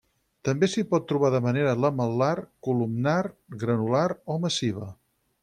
També s'hi pot trobar de manera lamel·lar, columnar, granular o massiva.